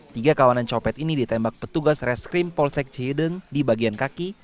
tiga kawanan copet ini ditembak petugas reskrim polsek cihideng di bagian kaki